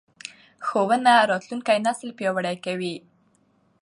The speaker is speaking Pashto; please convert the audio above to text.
ښوونه راتلونکی نسل پیاوړی کوي